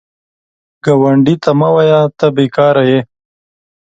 ګاونډي ته مه وایه “ته بېکاره یې”